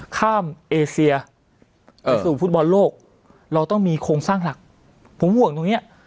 เอมเอเซียไปสู่ฟุตบอลโลกเราต้องมีโครงสร้างหลักผมห่วงตรงเนี้ย